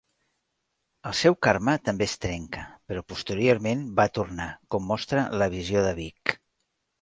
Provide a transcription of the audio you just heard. El seu karma també es trenca, però posteriorment va tornar, com mostra la visió de Big.